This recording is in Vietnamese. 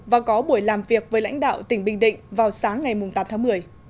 và có buổi làm việc với lãnh đạo tỉnh bình định vào sáng ngày tám tháng một mươi